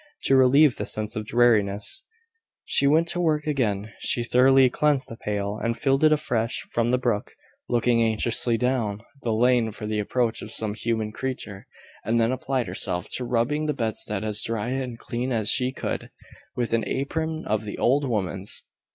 To relieve the sense of dreariness, she went to work again. She thoroughly cleansed the pail, and filled it afresh from the brook, looking anxiously down the lane for the approach of some human creature, and then applied herself to rubbing the bedstead as dry and clean as she could, with an apron of the old woman's.